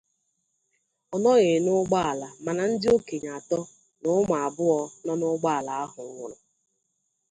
Ọ nọghị n'ụgbọala mana ndị okenye atọ na ụmụ abụọ nọ n'ụgbọala ahụ nwụrụ.